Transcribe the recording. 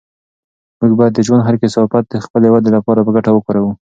موږ باید د ژوند هر کثافت د خپلې ودې لپاره په ګټه وکاروو.